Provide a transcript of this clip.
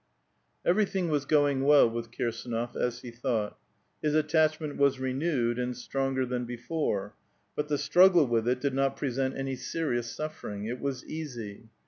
Everything was going well with Kirsdnof, as he thought. is attachment was renewed, and stronger than before ; but t.he struggle with it did not present any serious suffering ; it 'Was easy.